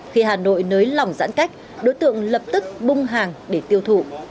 khi hà nội nới lỏng giãn cách đối tượng lập tức bung hàng để tiêu thụ